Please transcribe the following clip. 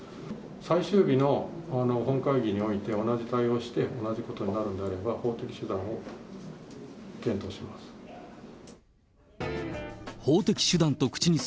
最終日の本会議において、同じ対応をして同じことになるのであれば、法的手段を検討します。